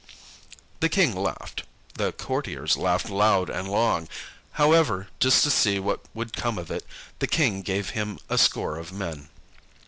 The King laughed, the courtiers laughed loud and long. However, just to see what would come of it, the King gave him a score of men.